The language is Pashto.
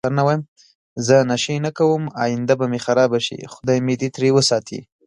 زه نشی نه کوم اینده به می خرابه شی خدای می دی تری وساتی